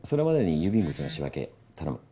郵便物の仕分け頼む。